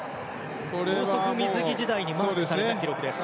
高速水着時代にマークされた記録です。